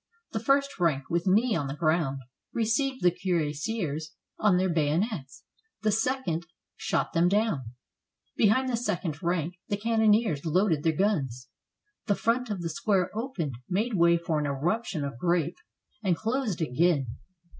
The first rank, with knee on the ground, received the cuirassiers on their bayonets, the second shot them down; behind the second rank, the cannoneers loaded their guns, the front of the square opened, made way for an eruption of grape, and closed again.